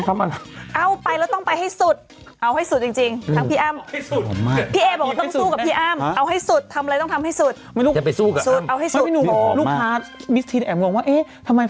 คราวท์ก็จางใส